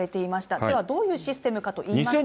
ではどういうシステム化といいますと。